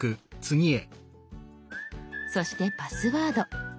そしてパスワード。